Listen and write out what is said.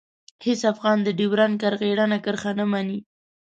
هېڅ افغان د ډیورنډ کرغېړنه کرښه نه مني.